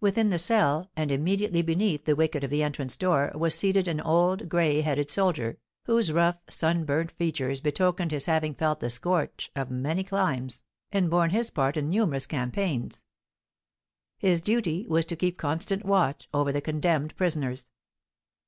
Within the cell, and immediately beneath the wicket of the entrance door, was seated an old, gray headed soldier, whose rough, sunburnt features betokened his having felt the scorch of many climes, and borne his part in numerous campaigns. His duty was to keep constant watch over the condemned prisoners.